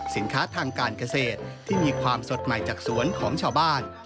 สินค้าทางการเกษตรที่มีความสดใหม่จากสวนของชาวบ้าน